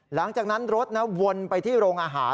หลังจากนั้นรถวนไปที่โรงอาหาร